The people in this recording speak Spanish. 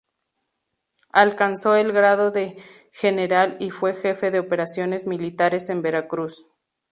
Alcanzó el grado de general y fue jefe de operaciones militares en Veracruz.